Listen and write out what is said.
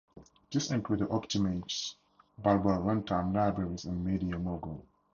This included OptImage's Balboa Runtime Libraries and MediaMogul.